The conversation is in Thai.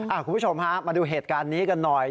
คุณผู้ชมฮะมาดูเหตุการณ์นี้กันหน่อย